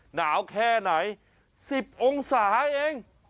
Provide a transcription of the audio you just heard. หนาวแค่ไหน๑๐องศาเอง